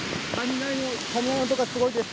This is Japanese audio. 雷の音がすごいです。